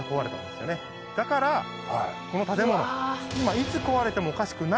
だからこの建物。